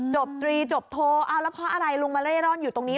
ตรีจบโทรเอาแล้วเพราะอะไรลุงมาเร่ร่อนอยู่ตรงนี้